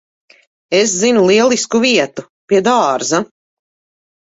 Es zinu lielisku vietu. Pie dārza.